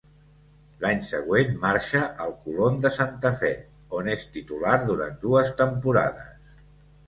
L'any següent marxa al Colón de Santa Fe, on és titular durant dues temporades.